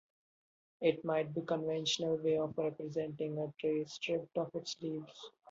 It might be a conventional way of representing a tree stripped of its leaves.